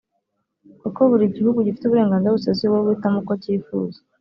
kuko buri gihugu gifite uburenganzira busesuye bwo guhitamo uko cyifuza